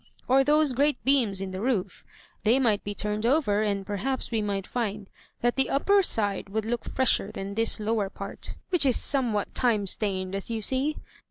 Or those great beams in the roof— they might be turned over, and perhaps we might find that the upper side would look fresher than this lower part, which is somewhat time stained, as you see?